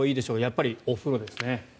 やっぱりお風呂ですね。